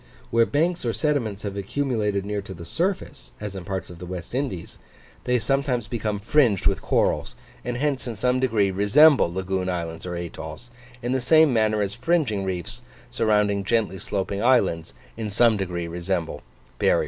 Where banks or sediments have accumulated near to the surface, as in parts of the West Indies, they sometimes become fringed with corals, and hence in some degree resemble lagoon islands or atolls, in the same manner as fringing reefs, surrounding gently sloping islands, in some degree resemble barrier reefs.